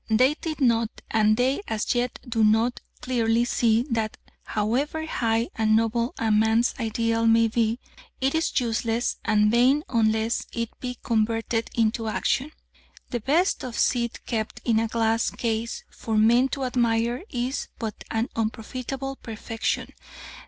They did not, and they as yet do not, clearly see that however high and noble a man's ideal may be, it is useless and vain unless it be converted into action. The best of seed kept in a glass case for men to admire is but an unprofitable perfection.